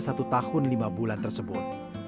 yang berusia satu tahun lima bulan tersebut